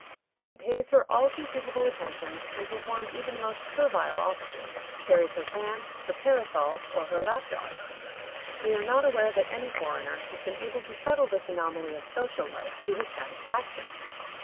He pays her all conceivable attentions, and performs even the most servile offices; carries her fan, her parasol, or her lapdog. We are not aware that any foreigner has been able to settle this anomaly of social life to his satisfaction.